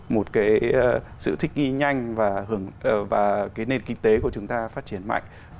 một cái sự thích nghi nhanh và cái nền kinh tế của chúng ta phát triển mạnh